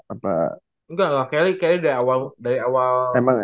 enggak lah kelly kayaknya dari awal